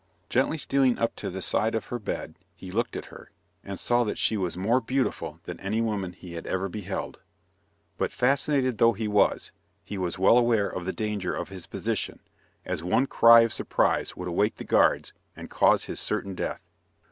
Gently stealing up to the side of her bed he looked at her, and saw that she was more beautiful than any woman he had ever beheld. But, fascinated though he was, he was well aware of the danger of his position, as one cry of surprise would awake the guards, and cause his certain death.